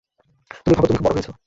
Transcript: তুমি ভাবো তুমি খুব বড় হয়েছ।